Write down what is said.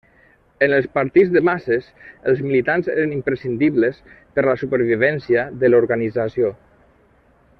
En els partits de masses, els militants eren imprescindibles per a la supervivència de l'organització.